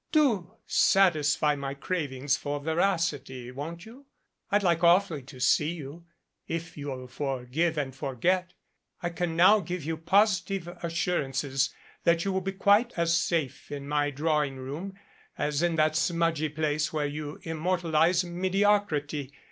Do satisfy my craving for veracity, won't you? I'd like awfully to see you, if you'll forgive and forget. I can now give you positive assurances that you will be quite as safe in my drawing room as in that smudgy place where you immortalize mediocrity.